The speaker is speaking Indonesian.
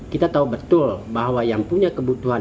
kita tahu betul bahwa yang punya kebutuhan